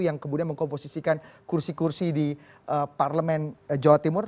yang kemudian mengkomposisikan kursi kursi di parlemen jawa timur